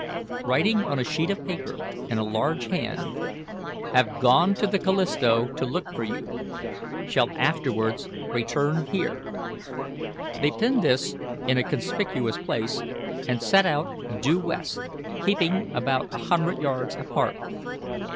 Writing on a sheet of paper, in a large hand, "Have gone to the Callisto to look for you; shall afterwards return here," they pinned this in a conspicuous place and set out due west, keeping about a hundred yards apart.